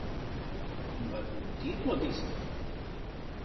Varbūt iekodīsim?